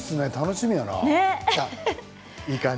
楽しみやな。